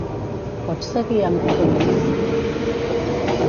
Pots seguir amb "Dominion"?